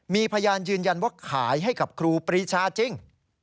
มีพยานยืนยันว่าขายให้กับครูปรีชาจริง